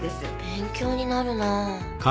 勉強になるなあ。